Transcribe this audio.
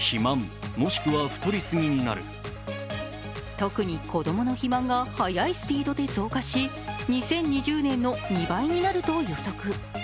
特に子供の肥満が早いスピードで増加し、２０２０年の２倍になると予測。